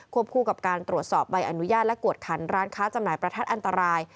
คู่กับการตรวจสอบใบอนุญาตและกวดขันร้านค้าจำหน่ายประทัดอันตราย